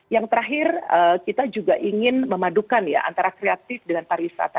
yang terakhir kita juga ingin memadukan ya antara kreatif dengan pariwisata